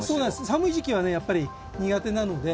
寒い時期はやっぱり苦手なので。